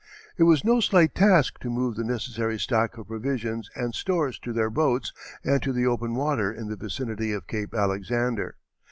It was no slight task to move the necessary stock of provisions and stores to their boats and to the open water in the vicinity of Cape Alexander.